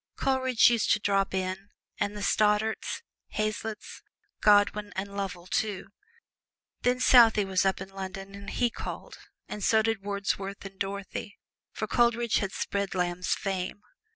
Coleridge used to drop in, and the Stoddarts, Hazlitts, Godwin and Lovell, too. Then Southey was up in London and he called, and so did Wordsworth and Dorothy, for Coleridge had spread Lamb's fame.